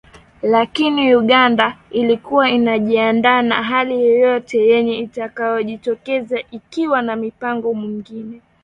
Lakini Uganda ilikuwa inajiandaa na hali yoyote yenye itakayojitokeza ikiwa na mpango mwingine .